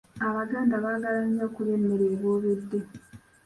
Abaganda baagala nnyo okulya emmere eboobedde.